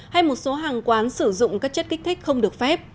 hay một số hàng quán sử dụng các chất kích thích không được phép